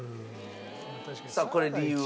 さあこれ理由は？